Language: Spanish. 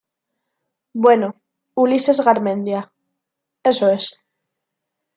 bueno, Ulises Garmendia... eso es.